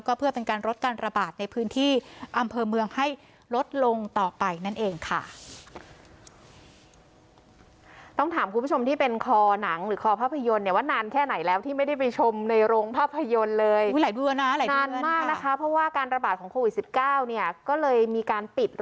ก็เพื่อเป็นการลดการระบาดในพื้นที่อำเภอเมืองให้ลดลงต่อไปนั่นเองค่ะ